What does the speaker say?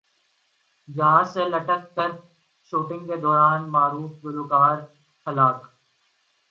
جہاز سے لٹک کر شوٹنگ کے دوران معروف گلوکار گر کر ہلاک